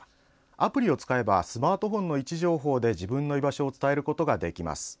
アプリを使えばスマートフォンの位置情報で自分の居場所を伝えることができます。